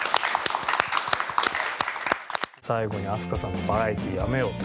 最後に飛鳥さん「バラエティやめよう」。